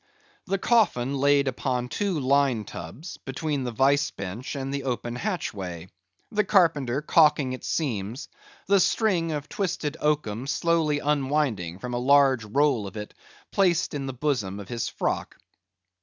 _The coffin laid upon two line tubs, between the vice bench and the open hatchway; the Carpenter caulking its seams; the string of twisted oakum slowly unwinding from a large roll of it placed in the bosom of his frock.